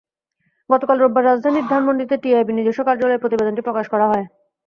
গতকাল রোববার রাজধানীর ধানমন্ডিতে টিআইবির নিজস্ব কার্যালয়ে প্রতিবেদনটি প্রকাশ করা হয়।